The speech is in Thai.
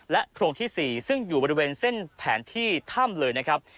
โครงที่๔ซึ่งอยู่บริเวณเส้นแผนที่ถ้ำเลยนะครับ